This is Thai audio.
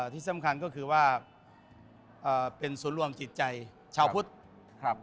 ที่สำคัญก็คือว่าเป็นส่วนร่วมจิตใจชาวพุทธ